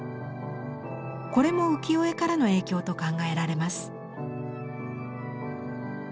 これも浮世絵からの影響と考えられます。